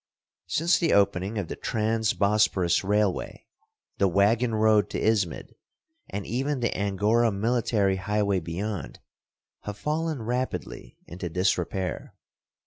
Since the opening of the Trans Bosporus Railway, the wagon road to Ismid, and even the Angora military highway beyond, have fallen rapidly into disrepair.